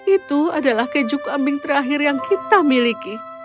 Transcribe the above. itu adalah keju kambing terakhir yang kita miliki